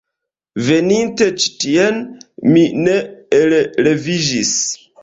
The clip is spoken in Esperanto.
Veninte ĉi tien, mi ne elreviĝis.